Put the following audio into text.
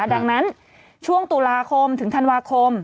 ดังนั้นช่วงตุลาคมถึงธันวาคม